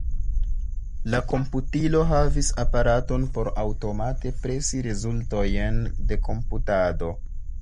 La komputilo havis aparaton por aŭtomate presi rezultojn de komputado.